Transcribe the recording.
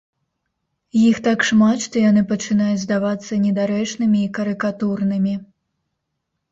Іх так шмат, што яны пачынаюць здавацца недарэчнымі і карыкатурнымі.